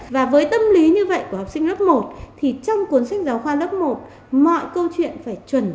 và với tâm lý như vậy của học sinh lớp một thì trong cuốn sách giáo khoa lớp một mọi câu chuyện phải chuẩn